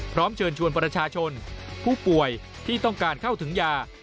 พร้อมเชิญชวนประชาชนผู้ป่วยที่ต้องการเข้าถึงยา